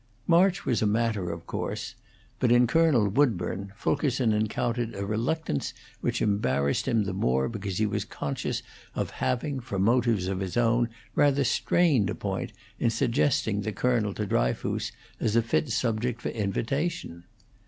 March was a matter of course; but in Colonel Woodburn, Fulkerson encountered a reluctance which embarrassed him the more because he was conscious of having, for motives of his own, rather strained a point in suggesting the colonel to Dryfoos as a fit subject for invitation.